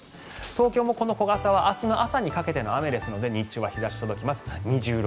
東京もこの小傘は明日の朝にかけての雨ですので日中は日差しが届きます。